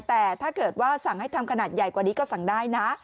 แต่ถ้าเกิดว่าสั่งให้ทำขนาดใหญ่กว่านี้ก็สั่งได้นะ